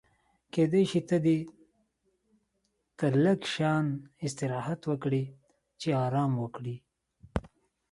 کېدای شي ته دې ته لږ شان استراحت ورکړې چې ارام وکړي.